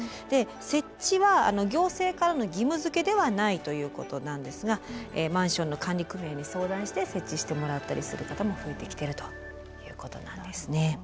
設置は行政からの義務付けではないということなんですがマンションの管理組合に相談して設置してもらったりする方も増えてきてるということなんですね。